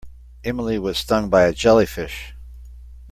Emily was stung by a jellyfish.